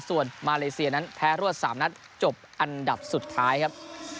ส่วนมาเลเซียนั้นแพ้รวด๓นัดจบอันดับสุดท้ายครับ